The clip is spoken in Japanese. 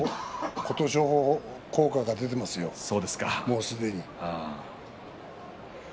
琴勝峰効果が出てますよ、すでに。